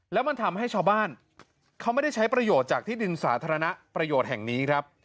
แล้วมันทำให้ชาวบ้านเขาไม่ได้ใช้ประโยชน์จากที่ดินสาธารณะประโยชน์แห่งนี้ครับ